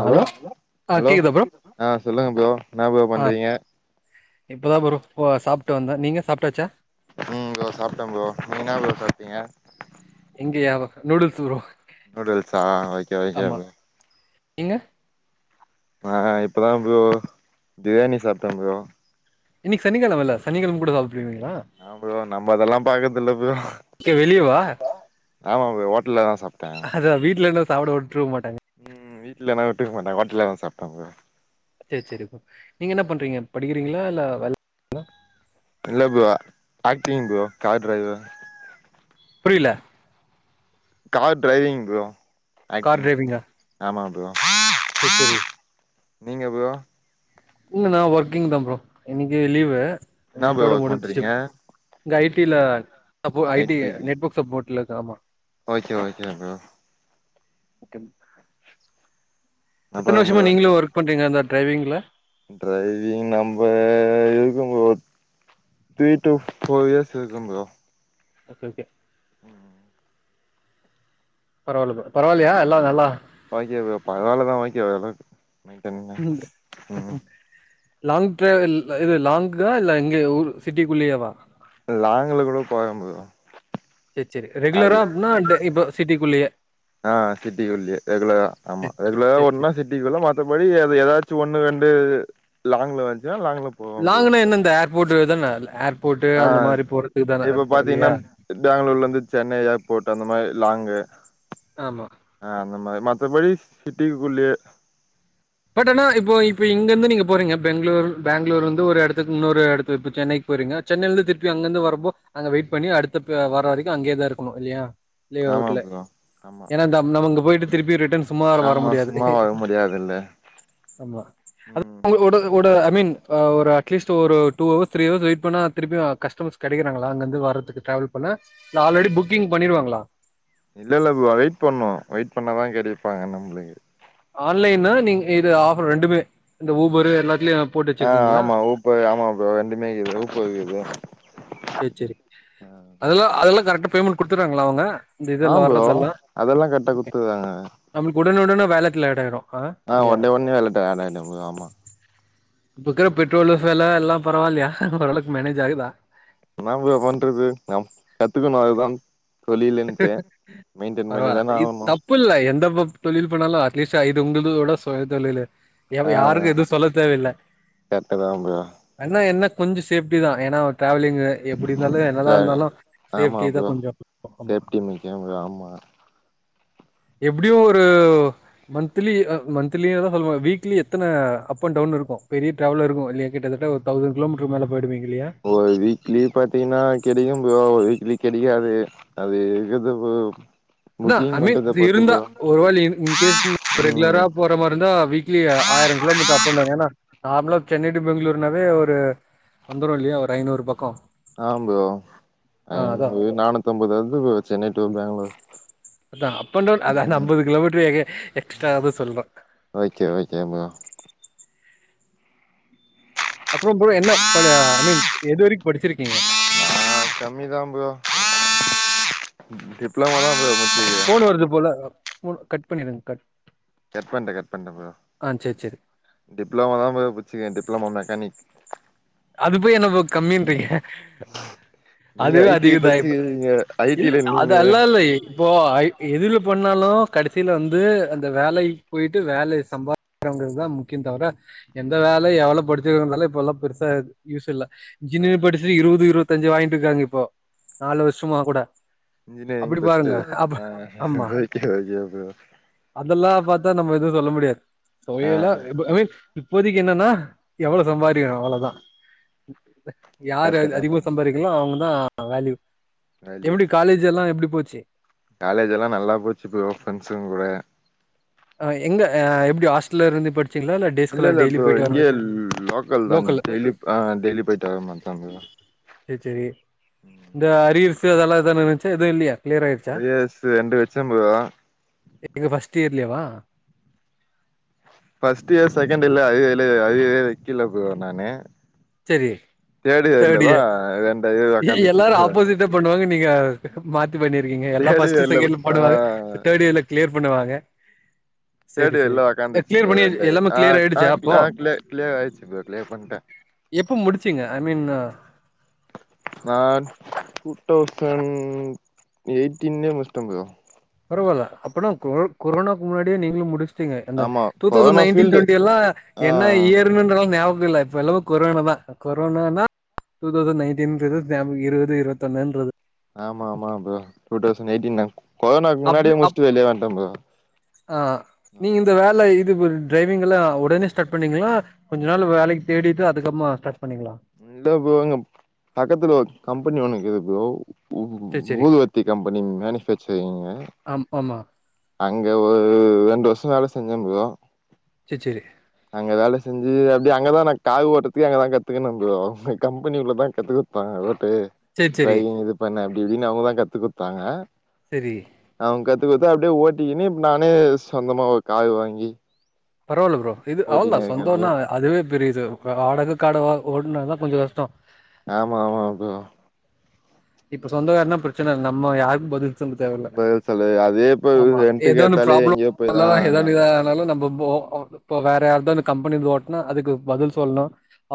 Hello ஆ hello கேக்குதா bro ஆ சொல்லுங்க ப்ரோ என்ன ப்ரோ ஆ பண்றீங்க இப்பதா ப்ரோ ஓ சாப்ட்டு வந்த நீங்க சாப்ட்டாச்சா ம் ப்ரோ சாப்ட்டே ப்ரோ நீங்க என்னா ப்ரோ சாப்பிட்டீங்க இங்கயா நூடுல்ஸ் ப்ரோ நூடுல்ஸ்ஸா ஆ ஓ ஆமா நீங்க நா‌ இப்பதா ப்ரோ பிரியாணி சாப்ட்டே‌ ப்ரோ இன்னைக்கு சனிக்கிழமல சனிக்கிழம கூட சாப்டுவீங்களா ஆம் ப்ரோ நம்ம அதெல்லா பாக்குறது இல்ல ப்ரோ ஓகே வெளியவா ஆமா ப்ரோ ஹோட்டல்லதா சாப் அதா வீட்டுல இருந்தா சாப்பிட வுட்ருக்க மாட்டாங்க உம் வீட்லல்லா விட்ருக்க மாட்டாங்க ஹோட்டல தா சாப்பிட்டாங்க சேரி சேரி ப்ரோ நீங்க என்ன பண்றீங்க படிக்கிறீங்களா இல்ல வேல இல்ல bro acting bro car driver புரியல car driving bro car acting டிரைவிங்கா ஆமா ப்ரோ சேரி சேரி நீங்க ப்ரோ இல்ல நா ஒர்க்கிங்தா ப்ரோ இன்னைக்கு லீவு என்ன ப்ரோ நேத்தோட ஒர்க் முடிஞ்சு பண்றீங்க இங்க ஐடில சப்போ ஐ ஐடி டி நெட்வொர்க் சப்போர்ட்ல இருக்க ஆமா ஓகே ஓகே ப்ரோ ஓகே எத்தன அப்பறம் வருஷமாக ப்ரோ நீங்களும் ஒர்க் பண்றீங்க அந்த ட்ரைவிங்குல டிரைவிங் நம்ப இருக்கும் bro three to four years இருக்கும் ப்ரோ ஓகே ஓகே உம் பரவால்ல ப்ரோ பரவாயில்லையா எல்லா நல்லா ஓகே ப்ரோ பரவாலதா ஓகே ப்ரோ மெயிண்டனிங் சொல்லுங்க ப்ரோ லாங் ட்ரைவர் இது லாங்க்கா இல்ல இங்கே ஊர் சிட்டிக்குள்ளேயேவா லாங்க்ல கூட போவே ப்ரோ செரி செரி ரெகுலரா அது அப்னா டெ இப்போ சிட்டிக்குள்ளயே ஆ சிட்டிக்குள்ளயே ரெகுலரா ஆமா ரெகுலரா சேரி ஓடுனா சேரி சிட் டிக்குள்ள மத்தபடி அது ஏதாச்சு ஒண்ணு ரெண்டு லாங்குல வந்துச்சுன்னா லாங்குல லாங்குனா என்ன இந்த ஏர்போர்ட்டு தான ஏர்போர்ட்டு ஆ அந்த மாரி போறதுக்கு தான இப்ப இருக்கு பாத்தீங்கன்னா இல்லையா பெங்களூர்ல இருந்து சென்னை ஏர்போர்ட்டு அந்த மாரி லாங்கு ஆமா ஆ அந்தமாரி மத்தபடி சிட்டிக்குள்ளயே பட் ஆனா இப்போ இப்போ இங்க இருந்து நீங்க போறீங்க பெங்களூர் பேங்களூர் வந்து ஒரு இடத்துக்கு இன்னொரு இடத்துக்கு இப்போ சென்னைக்கு போறீங்க சென்னையில இருந்து திருப்பி அங்கருந்து வரும்போ அங்க வெயிட் பண்ணி அடுத்த வர வரைக்கும் அங்கேதா இருக்கணு இல்லையா லீவ் ஆமா அவுட்ல ப்ரோ ஆமா ஏன்னா நம்ம அங்க போயிட்டு திருப்பி ரிட்டன் சும்மா வர ஆமா முடியாது சும்மா வர முடியாதில்ல ஆமா ஒடு ஒடு ஐ மீன் ஒரு அட்லீஸ்ட் ஒரு two hours three hours wait பண்ணா திருப்பியு கஸ்டமர்ஸ் கிடைக்குறாங்களா அங்க இருந்து வர்றதுக்கு ட்ராவல் பண்ண இல்ல ஆல்ரெடி புக்கிங் பண்ணிருவாங்களா இல்ல இல்ல ப்ரோ வெயிட் பண்ணு வெயிட் பண்ணாதா கிடைப்பாங்க நம்ளுக்கு ஆன்லைன்னா நீங்க இது ஆஃபர் ரெண்டுமே இந்த ஊபரு எல்லாத்துலயு போட்டு அ வச்சிருக்கீங்களா ஆமா ஊபர் ஆமா ப்ரோ ரெண்டுமே இக்குது ஊப்பர் இருக்கு செரி செரி அதெல்லா அதெல்லா கரெக்டா பேமெண்ட் குடுத்துறாங்களா அவங்க இந்த ஆ இதெல்லா ப்ரோ வர்றதெல்லா அதெல்லா கரெக்ட்டா குடுத்துறாங்க நம்ளுக்கு உடனே உடனே வேலட்ல அட் ஆயிரு ஆ அ இல்லையா ஒட்னே ஒட்னே வேலட்ல அட் ஆயிடு ப்ரோ ஆமா இப்ப இருக்க பெட்ரோல் வெல எல்லா பரவால்லயா ஓரளவுக்கு மேனேஜ் ஆகுதா என்ன ப்ரோ பண்றது நம் கத்துக்கணு அதுதா தொழிலுன்டு மெயின்டைன் பண்ணிதான ஆவனு ஃபுல்லா எந்தப்ப தொழில் போனாலு அட்லீஸ்ட் இது உங்கள்துதோட சுய தொழிலு எவ ஆ யாருக்கு எது சொல்ல தேவ இல்ல கரெக்ட்டு தா ப்ரோ ஆனா என்ன கொஞ்சோ சேஃப்டிதா எனா ட்ராவலிங்ள எப்டி இருந்தாலு என்னதா இருந்தாலு சேஃப்டிதா கொஞ்சோ ஆமா சேப்டி முக்கியோ ப்ரோ ஆமா எப்டியு ஒரு மந்த்லி அ மந்த்லியாத சொல்லுவோ வீக்லி எத்தன அப் அண்ட் டவுன் இருக்கு பெரிய டிரவல் இருக்கு இல்லையா கிட்டத்தட்ட தௌசன் கிலோமீட்டர் மேல போய்டுவீங்க இல்லயா ஒரு வீக்லி பாத்தீங்கனா கெடைக்கு ப்ரோ ஒரு வீக்லி கெடைக்காது அது இருகுது ப்ரோ அத்தா ஐ புக்கிங் மீன் பண்றத அப்டி பொறுத்து இருந்தா ப்ரோ ஒரு வாலி இன் கேஸ் ம் ரெகுலரா போற மாரி இருந்தா வீக்லி ஆயிரோ கிலோமீட்ரு அப் அண்ட் டவுனு எனா நார்மலா சென்னை டூ பெங்ளூர்னாவே ஒரு வந்துரு இல்லியா ஒரு ஐநூறு பக்கோ ஆ ப்ரோ ஆ அதா ஐநூறு நானூத்தம்பது வருது ப்ரோ சென்னை டூ பெங்ளூர் அதா அப் அண்ட் டவுன் அதா எனா அம்பது கிலோமீட்டர் எங்க எக்ஸ்ட்ராவா சொல்னு ஓகே ஓகே ப்ரோ அப்புறோ ப்ரோ என்ன ப ஐ மீன் எது வரிக் படிச்சிருக்கீங்க நா கம்மி தா ப்ரோ டிப்ளமோதா ப்ரோ முடிச்சிருக்கே போன் வருது போல போன் கட் பண்ணிருங்க கட் கட் பண்ட கட் பண்ட ப்ரோ ஆ சரி சரி டிப்ளமோதா ப்ரோ முச்சுருக்கே டிப்ளமோ மெக்கானிக் அது போய் என்ன ப்ரோ கம்மின்றீங்க நீங்க அதுவே ஐ டி அதிக தா இப்ப படிச்சிருக்கீங்க ஐ டி இல்ல ல அது நீங்க அல்லா இல்லயே இப்போ ஐ எதுல பண்ணாலு கடசில வந்து அந்த வேலைக்கு போய்ட்டு வேல சம்பா றவங்களுக்தா முக்கியந்தவர எந்த வேல எவ்வளோ படிச்சிருக்கோன்னலா இப்போல்லா பெருசா ப யூஸ் இல்ல ஆ இன்ஜினியர் படிச் இருவது இருவத்தஞ்சு வாங்கிட்ருக்காங்க இப்போ நாலு வருஷமா கூட இன்ஜினியரிங் அப்படி படிச்ட்டு பாருங்க அப்ப அ ஆமா ஓகே ஓகே ப்ரோ அதெல்லா பாத்தா நம்ம எதுவு சொல்ல முடியாது ஆ தொவயலா ப ஐ மின் இப்போதைக்கு என்னன்னா எவ்ளோ சம்பாரிகணு அவளதா யாரு அ கரெக்ட்டு தா அதிகமா சம்பாரிக்கங்ளோ அவங்கதா வேல்யூ எப்டி காலேஜ்லா எப்டி போச்சு காலேஜ்லா நல்லா போச்சு ப்ரோ ஃப்ரெண்ட்ஸுங் கூட அ எங்க ஆ எப்டி ஹாஸ்டல்ல இருந்து படிச்சீங்ளா இல்ல டே இல்ல ஸ்காலர் இல்ல டெய்லி ப்ரோ போயிட்டு வர இங்கயே லோக்கல்தா லோக்கல்ல டெய்லி அ டெய்லி போயிட்டு வர மாரிதா ப்ரோ செரி செரி இந்த அரியர்சு அதெல்லா அதா இருன்சா எது இல்லியா அரியர்ஸு ரெண்டு வெச்ச ப்ரோ எது ஃபஸ்ட் இயர்லயேவா ஃபஸ்ட் இயர் செகண்ட் இயர்ல அரியரே அரியரே வெக்கில ப்ரோ நானு செரி தேர்ட் இயர்லதா இயர் ரெண்டு இது ஒக்காந்துச்சு எல்லாரு ஆப்போசிட்டா பண்ணுவாங்க நீங்க மாத்தி பண்ணிருக்கீங்க எல்லா தேர்ட் ஃபர்ஸ்ட்டு இயர்ல செகண்ட்ல ஆ போடுவாங்க தேர்டு இயர்ல கிளியர் பண்ணுவாங்க சேரி சேரி தேடியர்ல உக்காந்துச்சு கிளியர் ப்ரோ பண்ணி எண்ட எல்லாமே ஆ கிளியர் ஆயிடுச்சா அப்போ ஆ கிள கிளியர் ஆயிச்சு ப்ரோ கிளியர் பண்ட எப்போ முடிச்சிங்க ஐ மீன் நா டூ தௌசண்ட் எயிட்டின்லே முடிச்சிட ப்ரோ பரவால்ல அப்பனா கொர கொரனாக்கு முன்னாடியே நீங்களும் முடிச் எப்டிங்க அந்த ஆமா two thousand corona nineteen field டொன்டிலா ஆ என்ன இயர்னு ஞாபகம் இல்ல இப்பல்லவு கொரோனா தா கொரோனான டூ தௌவ்சண்ட் நைட்டி இருவத்தி அம் இருவது இருவத்தொன்னுன்றது ஆமா ஆமா ப்ரோ டூ தௌசண்ட் எயிட்டீன் நா கொரோனாக்கு அப்டி முன்னாடியே அப் முடிச்சிட்டு வெளிய வண்ட ப்ரோ ஆ நீங்க இந்த வேல இது ட்ரைவிங்லா உடனே ஸ்டார்ட் பண்ணீங்களா கொஞ்ச நாள் வேலைக்கு தேடிட்டு அதுக்கப்புமா ஸ்டார்ட் பண்ணிக்கலா இல்ல ப்ரோ பக்கத்துல ஒரு கம்பெனி ஒண்ணு இருக்குது ப்ரோ உம் சேரி சேரி ஊதுவத்தி கம்பெனி மேனுபேக்சரிங்கு ஆம் ஆமா அங்க ஒரு ரெண்டு வருஷம் வேல செஞ்ச ப்ரோ சே சேரி அங்க வேல செஞ்சு அப்டி அங்கதா நா கார் ஓட்டுறதுக்கு அங்கதா கத்துக்குன ப்ரோ அங்க கம்பெனி உள்ளதா கத்துக் ப்பா ஓட்டு சேரி சேரி ட்ரைவிங் இது பண்ணு அப்டி இப்டின்னு அவுங்கதா கத்து குடுத்தாங்க செரி அவுங்க கத்து குடுத்து அப்டியே ஓட்டிக்கினு நானே சொந்தமா ஒரு காரு வாங்கி பரவால்ல ப்ரோ இது அவ்வளோ தா ஓட்டினு இருக்கே ப்ரோ சொந்தோனா அதுவே பெரிய இது வாடக கடவா ஓட்னாதா கொஞ்சோ கஷ்டோ ஆமா ஆமா ப்ரோ இப்ப சொந்த கார்னா பிரச்சன இல நம்ம யாருக்கு பதில் சொல்ல தேவ இல்ல பதில் சொல்லு அதே இப்ப ஆமா ரெண்ட்டுக்கு ஏதோ ஒன் எத்தாலே எங்கேயோ போய்தா ப்ரளாம்னா ஏதோ ஆகனு ன்னாலு நம்ப இப்ப வேற இப்ப யார்தா கம்பெனிது ஓட்டுனா அதுக்கு பதில் சொல்லணு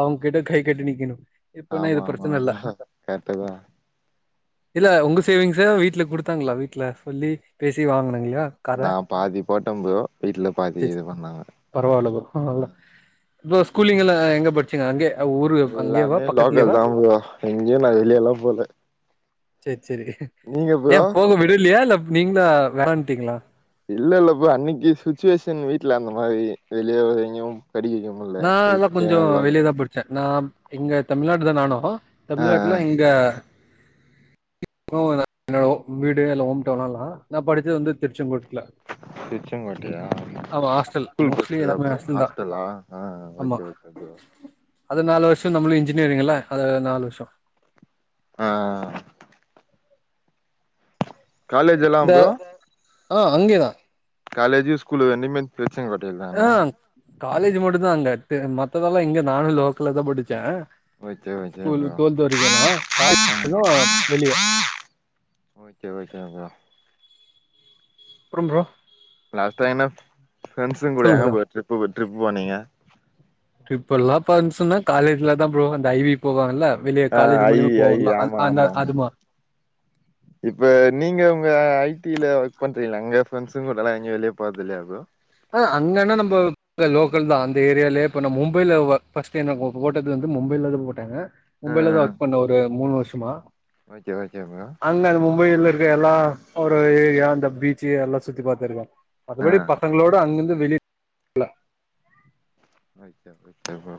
அவுங் கிட்ட கை கட்டி நிக்கணு இப்பன்னா இது பிரச்சன இல்ல கரெக்டுதா இல்ல உங்க சேவிங்ஸ வீட்ல குடுத்தாங்களா வீட்ல சொல்லி பேசி வாங்கனு இல்லயா நா பாதி போட்ட ப்ரோ வீட்ல பாதி சரி இது சரி பண்ணாங்க பரவால்ல ப்ரோ பரவால்ல இப்ப ஸ்கூலிங்கலா எங்க படிச் சிங்க அங்கே ஊரு அங்கேவா எல்லாமே லோக்கல் பக்கத்லேவா தா ப்ரோ எங்கேயு நா வெளியல போல செர் சேரி நீங்க ப்ரோ ஏன் போக விடலயா இல்ல நீங்களா வேணான்ட்டீங்களா இல்ல இல்ல ப்ரோ அன்னைக்கு சுச்சுவேஷன் வீட்ல அந்த மாரி வெளிய வேற எங்கயு படிக்க வைக்க முல்ல நாலா வீட்ல கொஞ்சோ வெளிய லோக்கல் தா படிச்சே நா இங்க தமிழ்நாடு தா நானு ஆ ஆ தமிழ்நாட்ல இங்க ப்ரோ என்னோட வீடு எல்லா ஹோம் டவுன்ல்லா நா படிச்சது வந்து திருச்செங்கோட்டுல திருச்செங்கோட்லையா ஹாஸ்டல் ஸ்கூல் மோஸ்ட்லி படிச்சதா எல்லாமே ப்ரோ ஹாஸ்டல் தா ஹாஸ்டலா ஆ ஆமா ஓகே ஓகே ப்ரோ அது நாலு வருஷோ நம்மளு இஞ்னியரிங்குல அது நாலு வருஷோ ஆ காலேஜ் எல்லா இந்த ப்ரோ ஆ அங்கேதா காலேஜி ஸ்கூலு ரெண்டுமே திருச்செங்கோட்ல ஆ தானா காலேஜ் மட்டும்தா அங்க மத்ததெல்லா இங்க நானு லோக்கல்ல தா படிச்சேன் ஓகே ஓகே ஸ்கூல் ப்ரோ டுவெல்தா வரைக்கு அங்கதா காலேஜ் தா வெளிய ஓகே ஓகே அதா ப்றம் ப்ரோ லாஸ்ட்டா எனப் ஃபிரண்ட்ஸ்ங் கூட சொல்லுங்க எங்க ப்ரோ போ ட்ரிப்பு ட்ரிப் போனீங்க ட்ரிப்பெல்லா பங்ஷன்னா காலேஜ்லதா ப்ரோ அந்த ஐ வி போவாங்கல வெளியே ஆ காலேஜ் ஐ மூலியமா ஐ போவோல்ல ஆமா அந்த ஆமா அதுமா இப்ப நீங்க உங்க ஐ டி ல ஒர்க் பண்றீங்களா அங்க பிரண்ட்ஸ்ங்க கூடல்லா எங்கே வெளியே போறது இல்லையா ப்ரோ ஆ அங்கனா நம்போ ங்க லோக்கல்தா அந்த ஏரியாலேயே இப்போ நா மும்பைல ஒ ஃபஸ்டு எனக்கு போட்டது வந்து மும்பைலதா போட்டாங்க ஆ மும்பைலதா ஆ ஒர்க் பண்ண ஒரு மூணு வருஷமா ஓகே ஓகே ப்ரோ அங்க மும்பையில இருக்க எல்லா ஒரு ஏரியா அந்த பீச்சு எல்லா சுத்தி பாத்துருக்கோ ஆ மத்தபடி ப பசங்கங்களோட அங்கருந்து வெளிய ஓகே [unintelligible] ப்ரோ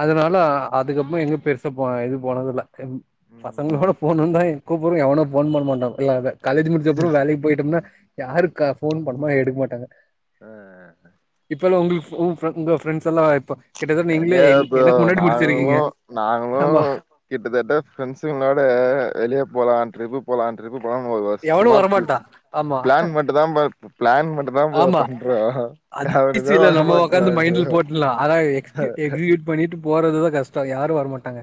அதனால அதுக்கப்பமா எங்க பெருசா போ இது போனதுல எம் ம் பசங்களோட போனுன்தா கூப்புறோ எவனு ஃபோன் பண்ண மாட்டாங் ல்ல வ காலேஜ் முடிச்சப்பறொ வேலைக்கு போயிட்டோம்னா யாருக்க ஃபோன் பண்ணமோ எடுக்க மாட்டாங்க ஆ அ உங்கள உங்களுக் உங் உங்க ஃப்ரண்ட்ஸ் எல்லா இருப்பாங் கிட்ட தட்ட எங்க நீங்களே ப்ரோ எனக்கு முன்னாடி நாங்களு முடிச்சிருக்கீங்க. நாங்களு ஆமா கிட்டத்தட்ட ஃப்ரெண்ட்ஸ்ங்களோட வெளியே போலா ட்ரிப்பு போலா ட்ரிப்பு போலாம்னு ஒரு எவனு வருஷமா வரமாட்டா ஆமா பிளான் மட்டுந்தா ப பிளான் மட்டுந்தா ப்ரோ பண்றோ [inaudible] அவனுங்க சில நம்ம உக்காந்து வரமாட்றாங்க மைண்ட்ல போட்டுலா ஆனா எக்ஸ்க்யு எக்ஸ்யூட் பண்ணிட்டு போறதுதா கஷ்டொ யாரும் வரமாட்டாங்க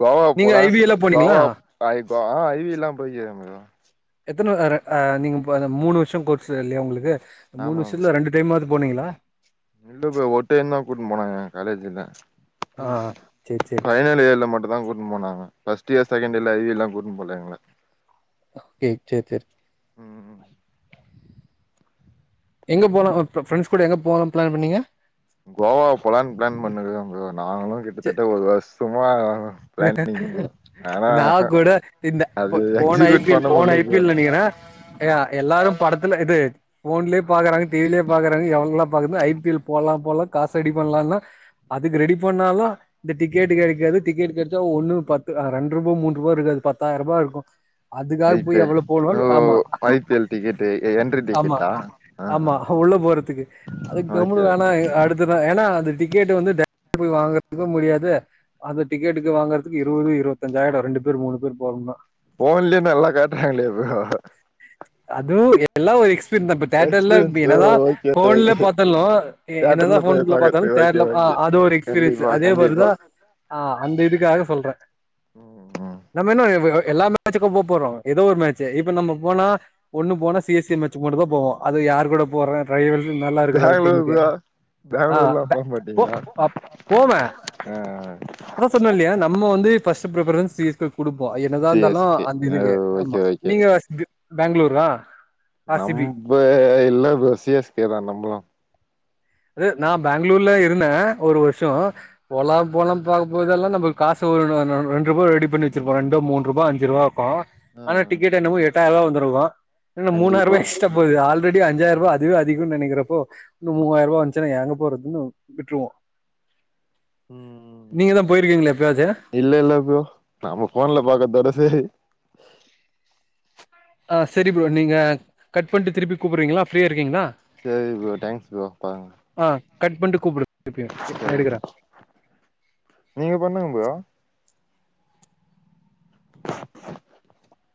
கோவா நீங்க போலா ஐ வி எல்லா போனீங்களா கோவா ஆ இப்போ ஐ வி எல்லா போய்ருக்கங்க மேடொ எத்தன ர அ நீங்க இப்ப ந மூணு வருஷோ கோர்ஸ் இல்லையா உங்களுக்கு மூணு ஆமா ப்ரோ வருஷத்துல ரெண்டு டைமாது போனீங்களா இல்ல ப்ரோ ஒரு டைம்தா கூட்டு போனாங்க காலேஜ்ல ஆ சேரி சேரி ஃபைனல் இயர்ல மட்டுந்தா கூட்டு போனாங்க ஃபஸ்ட் இயர் செகண்ட் இயர்ல ஐ வி எல்லா கூட்டு போகல எங்கள கே சேர் சேர் ம் ம் எங்க போனூ ஃப் ஃப்ரண்ட்ஸ் கூட எங்கே போனுன் பிளான் பண்ணீங்க கோவா போலான்னு பிளான் பண்ணிருக்கோ ப்ரோ நாங்களு சே கிட்டத்தட்ட ஒரு வருஷமா பிளானிங் ப்ரோ ஆனா நா கூட இந்த போ அது போன ஐ பி எக்ஸிக்யூட் எல் பண்ண போன முடில ஐ பி ப்ரோ எல் நெனைக்குற ய எல்லாரு படத்துல இது ஃபோன்லேயு பாக்குறாங்க டி வி லயு பாக்குறாங்க எவங்கல்லா பாக்குறது ஐ பி எல் போலா போலா காச ரெடி பண்லானா அதுக்கு ரெடி பண்ணாலு இந்த டிக்கெட் கெடைக்காது டிக்கெட் கெ ச்சா ஒன்னு பத்து அ ரெண்ட் ரூபா மூன்றூபா இருக்காது பத்தாயிருபா இருக்கு அதுக்காக ஐ பி போய் எல் எவ்வளோ ஓ போனுன் ஆமா I P L ticket entry ஆமா டிக்கெட்டா ஆ ஆ ஆமா உள்ள போறதுக்கு அது ஓகே கம்முன்னு வேணா ஓகே எ அடுத்த ஏனா அந்த டிக்கெட் வந்து [inaudible] போய் வாங்குறதுக்கு முடியாது அந்த டிக்கெட்டு வாங்கறதுக்கு இருவது இருவத்தஞ்சாயிடோ ரெண்டு பேர் மூணு பேர் போனும்னா ஃபோன்லயே நல்லா காட்டுறாங்களே ப்ரோ அதுவு எல்லா ஒரு எக்ஸ் ப்ப இந்தப்ப தியேட்டர்ல ப்ப எக்ஸ்பீரியன்ஸ் என்னதா ஓகே ஃபோன்ல ஓகே பாத்தாலு எ என்னதா தேட்டர்ல போய் ஃபோன்ல பாத் டம் பாக்கறதுக்கு ஓகே தர்லம் ஆ ஓகே அது ஒரு எக்ஸ்பீரியன்ஸ் கண்டிப்பா அதே மாரிதா கண்டிப்பா ஆ அந்த இதுக்காக சொல்ற ம் ம் நம்ம இன்னு எல்லாமே மச்சுக்கா போ போறோ ஏதோ ஒரு மேச்சு இப்ப நம்ம போனா ஒண்ணு போனா சி எஸ் கே மேச்சுக்கு மட்டு தா போவோ அது யார் கூட போற [unintelligible] நல்லா இருக்கற டீமுக்கு பெங்களூர்ல ஆ போ போம அ அதா சொன்னல்லயா நம்ம வந்து பஸ்ட் பிரிபரன்ஸ் சி எஸ் குடுப்போ என்னதா சி எஸ் இந்தாலு கே அந்த ஆ இதுக்கு ஓகே ஆமா ஓகே நீங்க பங்ளூரா நம்ம இல்ல ப்ரோ சி யஷ் கே தா நம்மளு அது நா பங்ளூர்ல இருந்த ஒரு வருஷோ போலா போலாம் பாக்க போதெல்லாம் நம்ம காசு ஒரு ரெண் ரூபா ரெடி பண்ணி வச்சிருப்போ ரெண்டு மூண்ரூபா அஞ்சுரூபா இருக்கு ஆ ஆனா ஆ டிக்கெட் என்னம்மோ எட்டாயிரூவா வந்துருகு இதுல மூணாயிரூபா கண்டிப்பா எக்ஸ்ட்ரா து ஆல்ரடி அஞ்சாயிரூவா அதுவே அதிகம்னு நனைக்கிறப்போ மூவாயிரூபா வந்துச்சுனா எங்க போறதுன்னு விட்ருவோ ம் நீங்க தா போய்ருக்கீங்ளா எப்பயாச்ச இல்ல இல்ல ப்ரோ நம்ம ஃபோன்ல பாக்கர்தோட சரி ஆ சரி ப்ரோ நீங்க கட் பண்ட்டு திருப்பி கூப்டுறீங்ளா ஃப்ரீயா இருக்கீங்ளா சேரி ப்ரோ தேங்க்ஸ் ப்ரோ பா ஆ கட் பண்ட்டு கூப்டு ஓகே நா சேரி எடுக்குற ப்ரோ நீங்க பண்ணுங்க பா [inaudible]